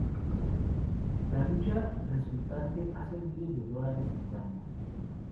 La lucha resultante hace miles de dólares en daños.